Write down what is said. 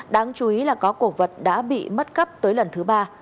đáng chú ý là có cổ vật đã bị mất cắp tới lần thứ ba